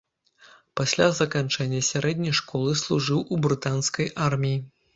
Пасля заканчэння сярэдняй школы служыў у брытанскай арміі.